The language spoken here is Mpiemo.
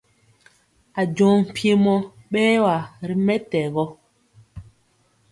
Ajɔŋ mpiemɔ bɛwa ri mɛtɛgɔ.